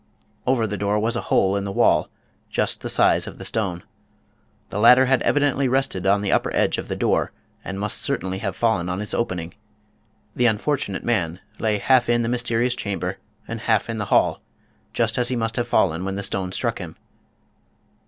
Over the door was a hole in the wall, just the size of the stone. The latter had evidently rested on the upper edge of the door, and must certainly have fallen on its opening. The un fortunate man lay half in the mysterious chamber and half in the hall, just as he must have fallen when the stone struck him.